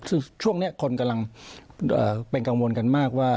คือช่วงนี้คนกำลังเป็นกังวลกันมากว่า